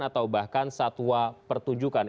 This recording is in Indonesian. atau bahkan satwa pertunjukan